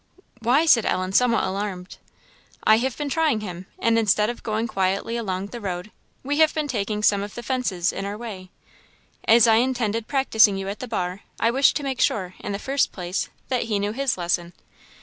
"Why?" said Ellen, somewhat alarmed. "I have been trying him; and instead of going quietly along the road, we have been taking some of the fences in our way. As I intend practising you at the bar, I wished to make sure, in the first place, that he knew his lesson."